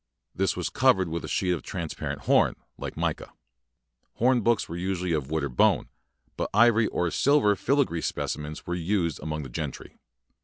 This was covered with a sheet of transparent horn, like mica. Horn books were usually of wood or bone; but ivory or silver filigree specimens were used among the gentry.